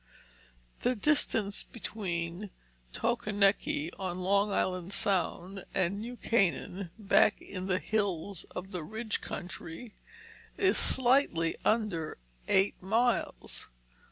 The distance between Tokeneke on Long Island Sound and New Canaan back in the hills of the Ridge Country is slightly under eight miles.